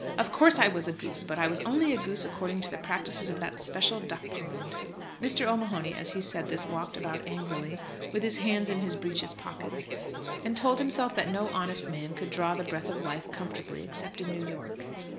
Of course I was a goose, but I was only a goose according to the practices of that special duck pond." Mr. O'Mahony, as he said this, walked about angrily, with his hands in his breeches' pockets, and told himself that no honest man could draw the breath of life comfortably except in New York.